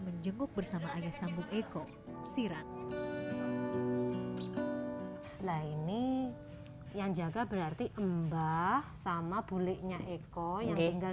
menjenguk bersama ayah sambung eko sirat lain nih yang jaga berarti mbah sama bule nya eko yang tinggal